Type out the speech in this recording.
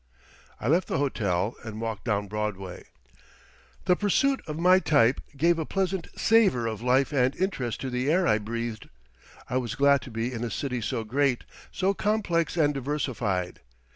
I left the hotel and walked down Broadway. The pursuit of my type gave a pleasant savour of life and interest to the air I breathed. I was glad to be in a city so great, so complex and diversified.